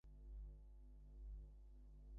মা ছুটে পাশের ঘরে গেলেন।